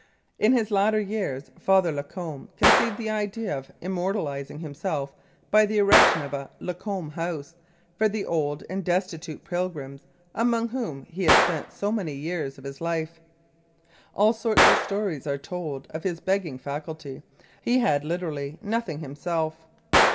In his latter years Father Lacombe conceived the idea of immortalising himself by the erection of a "Lacombe Home," for the old and destitute pilgrims among whom he had spent so many years of his life. All sorts of stories are told of his begging faculty. He had literally nothing himself.